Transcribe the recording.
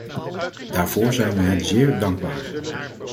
Daarvoor zijn we hen zeer dankbaar.